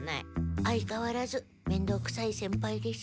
相かわらずめんどうくさい先輩です。